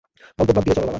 বকবক বাদ দিয়ে চলো বাবা।